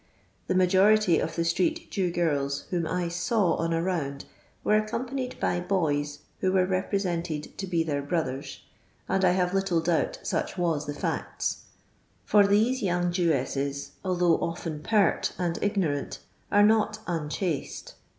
The majority of the street Jew girls whom I saw on a round were accompanied by boys who were re presented to be their brothers, and I have little doubt such was the facts, for these yonng Jewesses, although oft'.n pert and ignorant, are not unchaste.